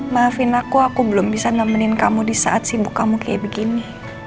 maafin aku aku belum bisa nemenin kamu di saat sibuk kamu kayak begini